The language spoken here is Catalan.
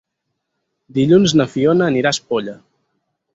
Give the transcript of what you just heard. Dilluns na Fiona anirà a Espolla.